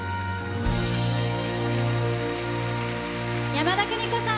山田邦子さん